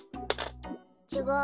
ちがう。